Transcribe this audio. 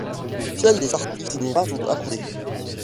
Seules les sorties cinéma sont abordées.